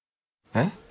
えっ！？